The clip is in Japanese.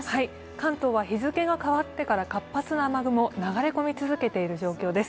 関東は日付が変わってから活発な雨雲、流れ込み続けている状況です。